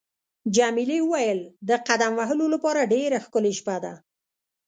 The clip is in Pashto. جميلې وويل: د قدم وهلو لپاره ډېره ښکلې شپه ده.